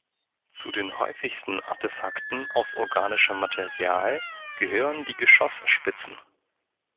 Zu den häufigsten Artefakten aus organischem Material gehören die Geschossspitzen.